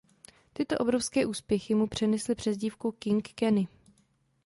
Tyto obrovské úspěchy mu přinesly přezdívku "King Kenny".